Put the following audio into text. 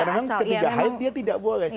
karena ketiga haid dia tidak boleh